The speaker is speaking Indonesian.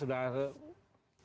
udah tiga tahun